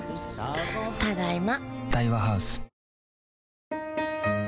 ただいま。